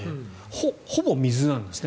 ほぼ水なんですね。